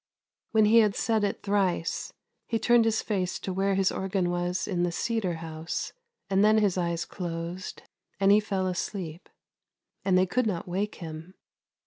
" When he had said it thrice, he turned his face to where his organ was in the cedar house, and then his eyes closed, and he fell asleep. And they could not wake him.